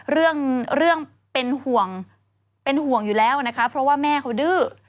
เรื่องเรื่องเป็นห่วงเป็นห่วงอยู่แล้วนะคะเพราะว่าแม่เขาดื้อ